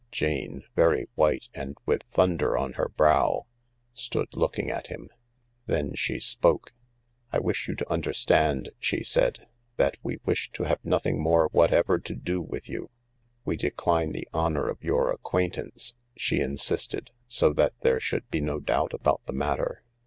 Jape, very white and with thunder on her brow, stood looking at him. Then she spoke. " I wish you to understand," she said, "that we wish to have nothing more whatever to do with you. We decline the honour of your acquaintance," she insisted, so that there should be no doubt about the matter.